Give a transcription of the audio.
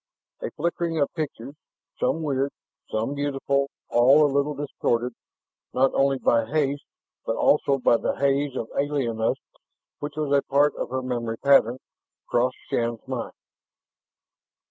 A flickering of pictures, some weird, some beautiful, all a little distorted not only by haste, but also by the haze of alienness which was a part of her memory pattern crossed Shann's mind.